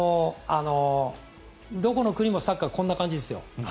どこの国もサッカー、こんな感じですよ。